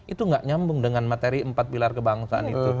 itu tidak menyambung dengan materi empat pilar kebangsaan itu